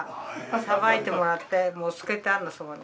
さばいてもらってもうつけてあるそこに。